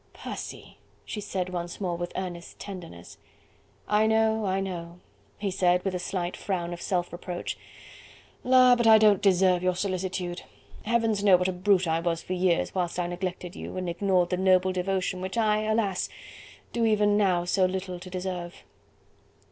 "Percy!" she said once more with tender earnestness. "I know, I know," he said with a slight frown of self reproach. "La! but I don't deserve your solicitude. Heavens know what a brute I was for years, whilst I neglected you, and ignored the noble devotion which I, alas! do even now so little to deserve."